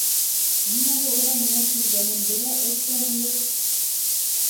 Мин әле уға ниңә килгәнемде лә әйткәнем юҡ.